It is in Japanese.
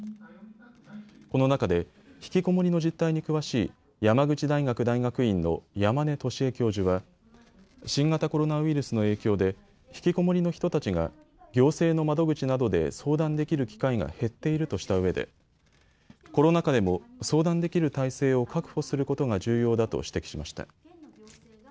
この中で引きこもりの実態に詳しい山口大学大学院の山根俊恵教授は新型コロナウイルスの影響で引きこもりの人たちが行政の窓口などで相談できる機会が減っているとしたうえでコロナ禍でも相談できる体制を確保することが重要だと指摘しました。